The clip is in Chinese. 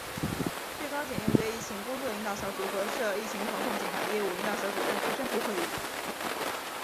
最高检应对疫情工作领导小组和涉疫情防控检察业务领导小组召开专题会议